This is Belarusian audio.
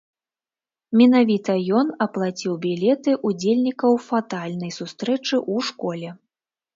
Менавіта ён аплаціў білеты ўдзельнікаў фатальнай сустрэчы ў школе.